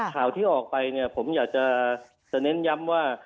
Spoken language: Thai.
ข่าวที่ออกไปเนี่ยผมอยากจะเน้นย้ำว่า